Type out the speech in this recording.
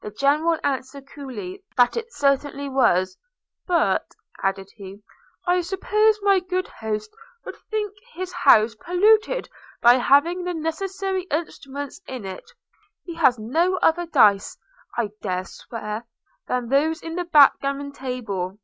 The General answered coolly, that it certainly was; 'but,' added he, 'I suppose my good host would think his house polluted by having the necessary instruments in it. He has no other dice, I dare swear, than those in the back gammon table.'